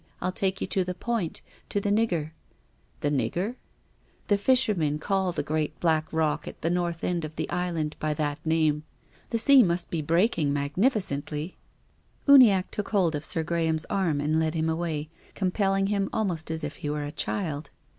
I'll take you to the point — to the nigger." " The nigger ?"" The fishermen call the great black rock at the north end of the Island by that name. The sea must be breaking magnificently." THE GRAVE. 59 Uniacke took Sir Graham's arm and led him away, compelling him almost as if he were a child.